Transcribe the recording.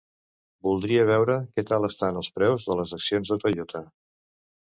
Voldria veure que tal estan els preus de les accions de Toyota.